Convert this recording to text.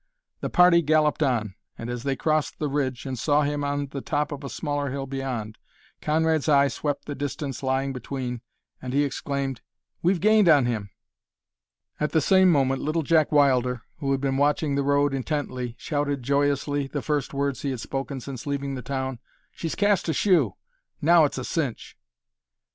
The party galloped on, and as they crossed the ridge and saw him on the top of a smaller hill beyond, Conrad's eye swept the distance lying between and he exclaimed, "We've gained on him!" At the same moment Little Jack Wilder, who had been watching the road intently, shouted joyously, the first words he had spoken since leaving the town, "She's cast a shoe! Now it's a cinch!"